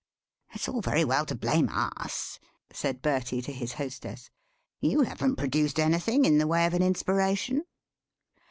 "It's all very well to blame us," said Bertie to his hostess; "you haven't produced anything in the way of an inspiration."